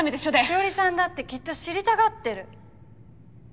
紫織さんだってきっと知りたがってる。